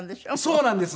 そうなんです。